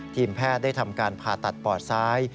ทีมแพทย์ได้ทำการผ่าตัดปอดซ้าย